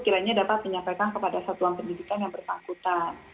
kiranya dapat menyampaikan kepada satuan pendidikan yang bersangkutan